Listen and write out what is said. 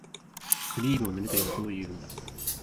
クリームを塗れというのはどういうんだ